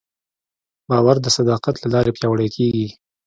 باور د صداقت له لارې پیاوړی کېږي.